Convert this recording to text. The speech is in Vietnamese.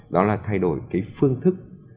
đó là thay đổi cái phương thức